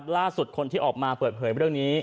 คนที่ออกมาเปิดเผยเรื่องนี้